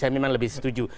saya memang lebih setuju